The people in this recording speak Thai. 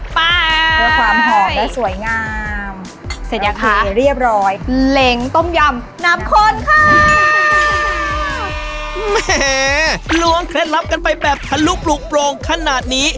เพื่อความหอกและสวยงาม